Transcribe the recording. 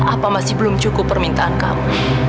apa masih belum cukup permintaan kamu